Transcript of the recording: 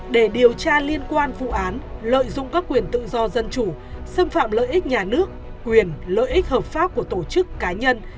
để điều tra liên quan vụ án lợi dụng các quyền tự do dân chủ xâm phạm lợi ích nhà nước quyền lợi ích hợp pháp của tổ chức cá nhân